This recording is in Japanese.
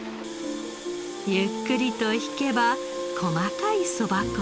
ゆっくりと挽けば細かいそば粉に。